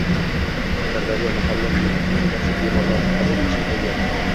Sirdaryoda "Malham med" klinikasi bemorlarni qabul qilishga tayyor